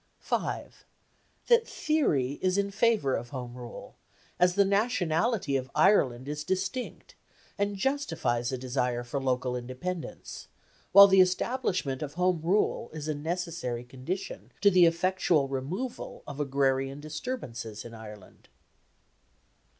5. That theory is in favour of Home Rule, as the nationality of Ireland is distinct, and justifies a desire for local independence; while the establishment of Home Rule is a necessary condition to the effectual removal of agrarian disturbances in Ireland.